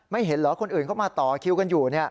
เห็นเหรอคนอื่นเข้ามาต่อคิวกันอยู่